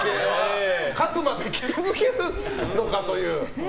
勝つまで来続けるのかという。